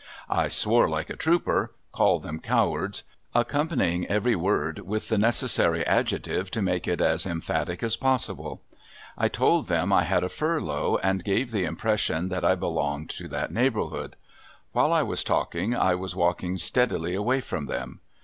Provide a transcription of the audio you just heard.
I swore "like a trooper," called them cowards, accompanying every word with the necessary adjective to make it as emphatic as possible. I told them I had a furlough, and gave the impression that I belonged to that neighborhood. While I was talking I was walking steadily away from them.